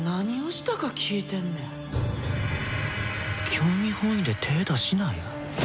興味本位で手ぇ出しなや。